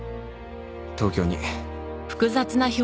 東京に。